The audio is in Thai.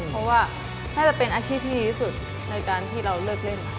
เพราะว่าน่าจะเป็นอาชีพที่ดีที่สุดในการที่เราเลิกเล่น